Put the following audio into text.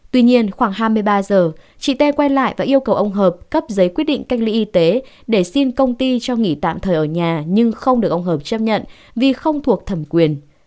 tuy nhiên khoảng hai mươi ba giờ chị tê quay lại và yêu cầu ông hợp cấp giấy quyết định cách ly y tế để xin công ty cho nghỉ tạm thời ở nhà nhưng không được ông hợp chấp nhận vì không thuộc thẩm quyền